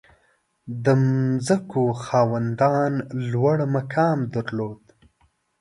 • د ځمکو خاوندان لوړ مقام درلود.